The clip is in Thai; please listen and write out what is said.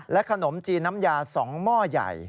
ขนมจีนน้ำยา๒หม้อใหญ่